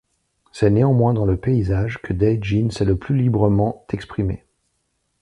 C'est néanmoins dans le paysage que Dai Jin s'est le plus librement exprimé.